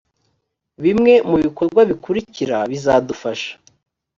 bimwe mu bikorwa bikurikira bizadufasha